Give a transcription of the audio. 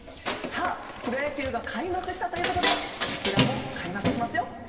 プロ野球が開幕したということでこちらも開幕しますよ。